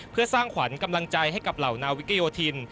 เพื่อสร้างขวัญกำลังใจให้กับเหล่านาวิกยโยธิน